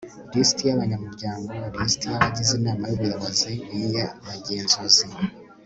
lisiti y'abanyamuryango, lisiti y'abagize inama y'ubuyobozi n'iy'abagenzuzi